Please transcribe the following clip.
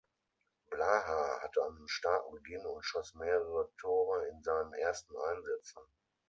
Blaha hatte einen starken Beginn und schoss mehrere Tore in seinen ersten Einsätzen.